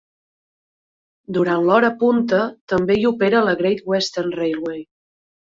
Durant l'hora punta, també hi opera la Great Western Railway.